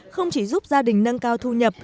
không chỉ giúp gia đình nâng cao thu nhập